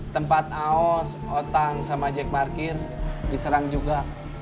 tempat aos otang sama jack parkir diserang juga